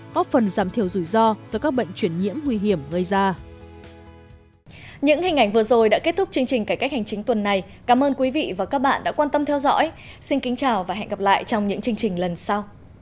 góp phần giảm thiểu rủi ro do các bệnh chuyển nhiễm nguy hiểm gây ra